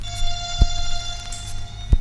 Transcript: زه اوس کتاب وليکم!.!.